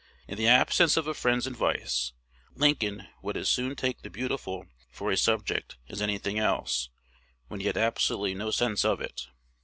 "In the absence of a friend's advice, Lincoln would as soon take the Beautiful for a subject as any thing else, when he had absolutely no sense of it."